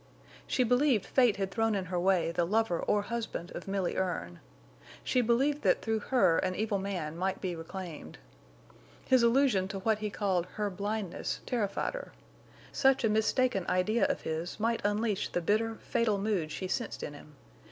She believed fate had thrown in her way the lover or husband of Milly Erne. She believed that through her an evil man might be reclaimed. His allusion to what he called her blindness terrified her. Such a mistaken idea of his might unleash the bitter, fatal mood she sensed in him.